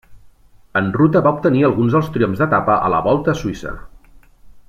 En ruta va obtenir alguns triomfs d'etapa a la Volta a Suïssa.